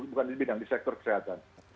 bukan di bidang di sektor kesehatan